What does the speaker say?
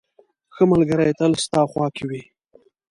• ښه ملګری تل ستا خوا کې وي.